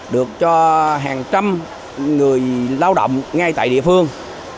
được cho hàng trăm người lao động ngay tại địa phương